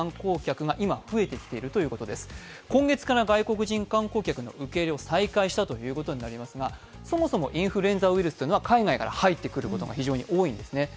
今月から外国人観光客の受け入れを再開したということになりますがそもそも、インフルエンザウイルスというのは海外から入ってくるということが非常に多いんですね。